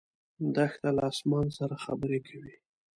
دښته له اسمان سره خبرې کوي.